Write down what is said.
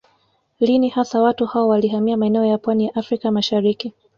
Lini hasa watu hao walihamia maeneo ya pwani ya Afrika ya Mashariki